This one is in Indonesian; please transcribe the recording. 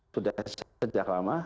sudah sejak lama